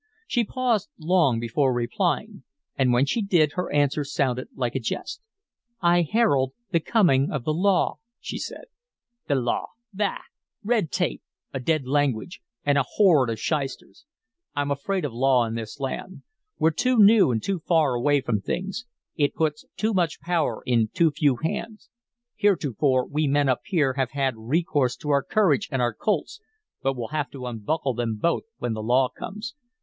She paused long before replying, and when she did her answer sounded like a jest. "I herald the coming of the law," she said. "The law! Bah! Red tape, a dead language, and a horde of shysters! I'm afraid of law in this land; we're too new and too far away from things. It puts too much power in too few hands. Heretofore we men up here have had recourse to our courage and our Colts, but we'll have to unbuckle them both when the law comes.